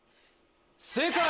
正解！